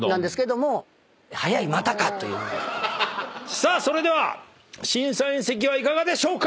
さあそれでは審査員席はいかがでしょうか？